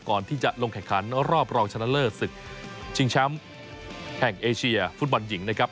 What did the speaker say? ก่อนที่จะลงแข่งขันรอบรองชนะเลิศศึกชิงแชมป์แห่งเอเชียฟุตบอลหญิงนะครับ